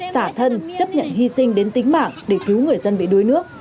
xả thân chấp nhận hy sinh đến tính mạng để cứu người dân bị đuối nước